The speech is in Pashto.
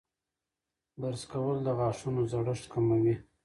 برس کول د غاښونو زړښت کموي.